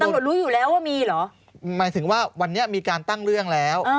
รู้อยู่แล้วว่ามีเหรอหมายถึงว่าวันนี้มีการตั้งเรื่องแล้ว